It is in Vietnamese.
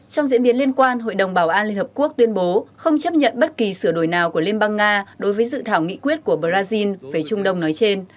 trong diễn biến liên quan hội đồng bảo an liên hợp quốc tuyên bố không chấp nhận bất kỳ sửa đổi nào của liên bang nga đối với dự thảo nghị quyết của brazil về trung đông nói trên